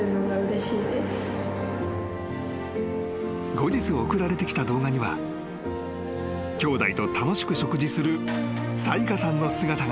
［後日送られてきた動画にはきょうだいと楽しく食事する咲花さんの姿が］